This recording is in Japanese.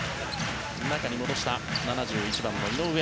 中に戻した７１番の井上。